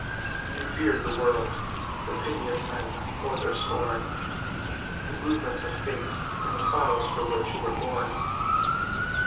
You feared the world, the pity of men or their scorn, The movements of fate and the sorrows for which you were born.